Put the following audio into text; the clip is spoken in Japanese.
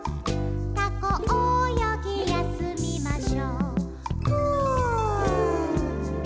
「タコおよぎやすみましょうフ」